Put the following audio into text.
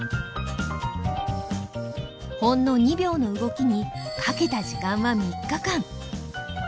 ほんの２秒の動きにかけた時間は３日間。